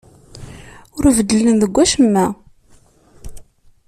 Ur beddlen deg wacemma.